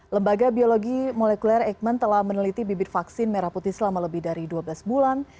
lembaga biologi molekuler eikman telah meneliti bibit vaksin merah putih selama lebih dari dua belas bulan